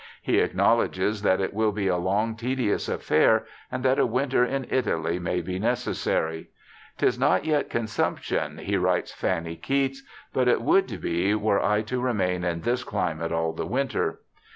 He acknowledges that it will be a long, tedious affair, and that a winter in Italy may be necessary. ' 'Tis not yet consumption,' he writes Fanny Keats, * but it would be were I to remain in this climate all the winter.'